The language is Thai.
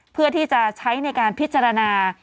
เพื่อที่จะใช้ในการพิจารณา